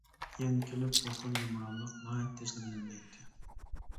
يەنە كېلىپ بۇ خىل يۇمرانلىق ناھايىتى تېزلا بىلىنمەيتتى.